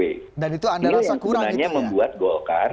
ini yang sebenarnya membuat golkar